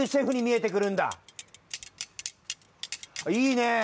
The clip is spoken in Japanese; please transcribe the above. いいね。